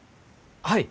はい。